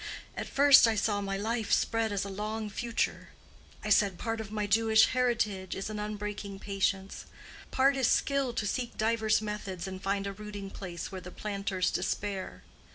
At first I saw my life spread as a long future: I said part of my Jewish heritage is an unbreaking patience; part is skill to seek divers methods and find a rooting place where the planters despair.